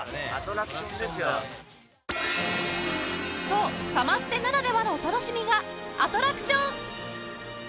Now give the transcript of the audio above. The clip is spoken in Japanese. そうサマステならではのお楽しみがアトラクション